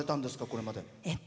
これまで。